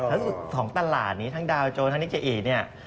สิ่งที่ท้องตลาดนี้ทั้งดาวโจทย์ทั้งนิเกอินเนี่ย